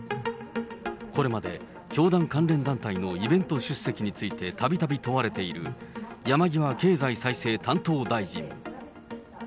これまで教団関連団体のイベント出席についてたびたび問われている、山際経済再生担当大臣。